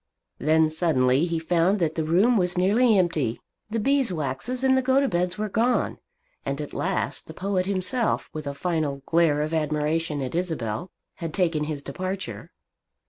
Then suddenly he found that the room was nearly empty. The Beeswaxes and the Gotobeds were gone; and at last the poet himself, with a final glare of admiration at Isabel, had taken his departure.